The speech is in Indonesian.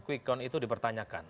quick count itu dipertanyakan